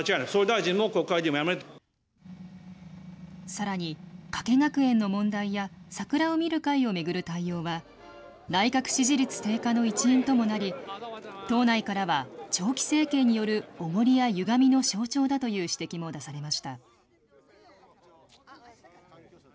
さらに、加計学園の問題や、桜を見る会を巡る対応は、内閣支持率低下の一因ともなり、党内からは、長期政権によるおごりやゆがみの象徴だという指摘も出されました。